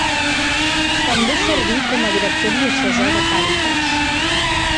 També serví com a director diocesà de Càritas.